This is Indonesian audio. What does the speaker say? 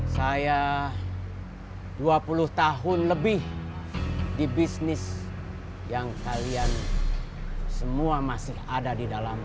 saya dua puluh tahun lebih di bisnis yang kalian semua masih ada di dalam